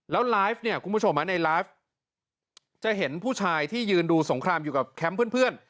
แล้วไลฟ์เนี่ยคุณผู้ชมในไลฟ์จะเห็นผู้ชายที่ยืนดูสงครามอยู่กับแคมป์เพื่อน